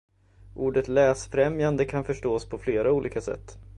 Ordet läsfrämjande kan förstås på flera olika sätt.